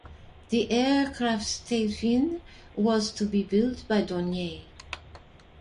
The aircraft's tailfin was to be built by Dornier.